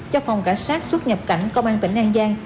cho phòng cả xác xuất nhập cảnh công an tỉnh an giang